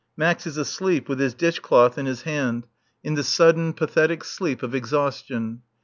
Max is asleep with his dish cloth in his hand, in the sudden, pathetic sleep of exhaustion.